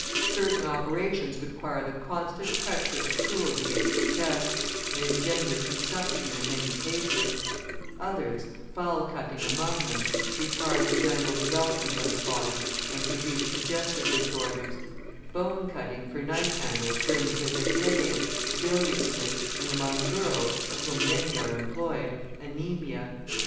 Certain operations require the constant pressure of tools against the chest, and engender consumption in many cases; others, file cutting among them, retard the general development of the body and produce digestive disorders; bone cutting for knife handles brings with it headache, biliousness, and among girls, of whom many are employed, anaemia.